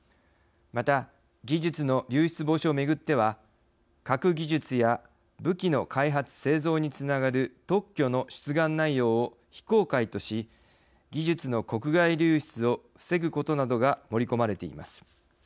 また技術の流出防止をめぐっては核技術や武器の開発・製造につながる特許の出願内容を非公開とし技術の国外流出を防ぐことなどが盛り込まれています。